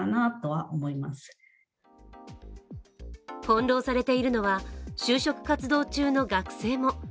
翻弄されているのは、就職活動中の学生も。